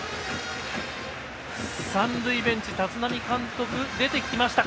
三塁ベンチ、立浪監督出てきました。